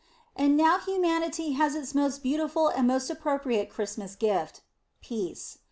And now humanity has its most beautiful and most appropriate Christmas gift Peace.